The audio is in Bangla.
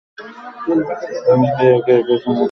ওই অবস্থায় একে একে সাতজন ঐ নারীকে গণধর্ষণ করে।